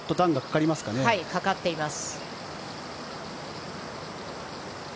かかっています。